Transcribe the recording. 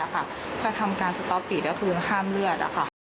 ก็ทำการสต๊อปปีดก็คือห้ามเลือด